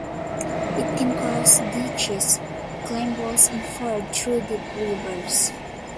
It can cross ditches, climb walls and ford through deep rivers.